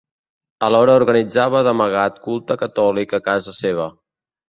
Alhora organitzava d'amagat culte catòlic a casa seva.